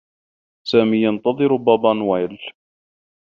سامي ينتظر بابا نويل.